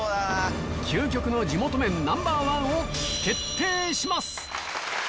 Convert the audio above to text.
究極の地元麺Ｎｏ．１を決定します